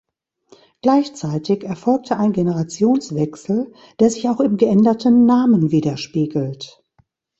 Gleichzeitig erfolgte ein Generationswechsel, der sich auch im geänderten Namen widerspiegelt.